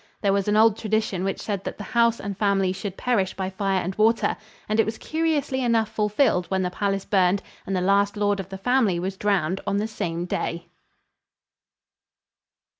There was an old tradition which said that the house and family should perish by fire and water, and it was curiously enough fulfilled when the palace burned and the last lord of the family was drowned on the same day.